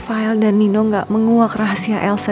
rafael dan nino gak menguak rahasia elsa